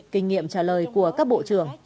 kinh nghiệm trả lời của các bộ trưởng